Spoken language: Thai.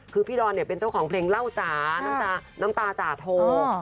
คือพี่ดอนเนี่ยเป็นเจ้าของเพลงเล่าจ๋าน้ำตาจ่าโท